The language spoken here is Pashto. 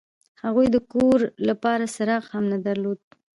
هغوی د کور لپاره څراغ هم نه درلود